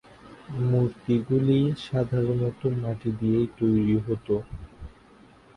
মূর্তিগুলি সাধারণত মাটি দিয়েই তৈরি হত।